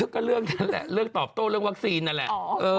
ก็เรื่องนั้นแหละเรื่องตอบโต้เรื่องวัคซีนนั่นแหละ